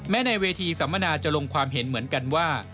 ในเวทีสัมมนาจะลงความเห็นเหมือนกันว่า